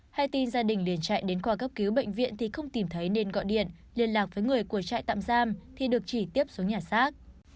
hai tin gia đình liên trại đến qua cấp cứu bệnh viện thì không tìm thấy nên gọi điện liên lạc với người của trại tạm giam thì được chỉ tiếp xuống nhà xác